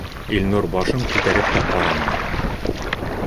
Илнур башын күтәреп тә ҡарамай: